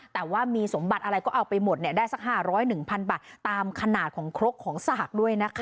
แต่ว่ามีสมบัติอะไรก็เอาไปหมดได้สัก๕๐๐๑๐๐บาทตามขนาดของครกของสากด้วยนะคะ